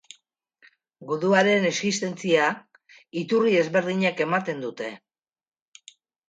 Guduaren existentzia, iturri ezberdinek ematen dute.